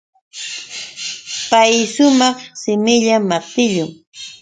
Pay shumaq shimilla maqtillum.